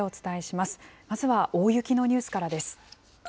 まずは大雪のニュースからです。